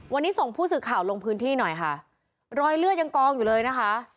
วันนี้ส่งผู้สื่อข่าวลงพื้นที่หน่อยค่ะรอยเลือดยังกองอยู่เลยนะคะ